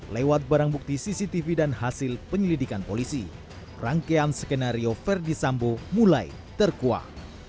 lewat barang bukti cctv dan hasil penyelidikan polisi rangkaian skenario verdi sambo mulai terkuah